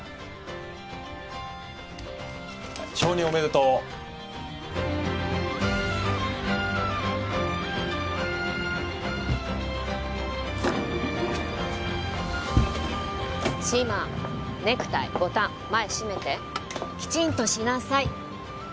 おめでとう志摩ネクタイボタン前閉めてきちんとしなさい